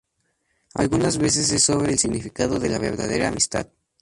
Algunas veces es sobre el significado de la verdadera amistad.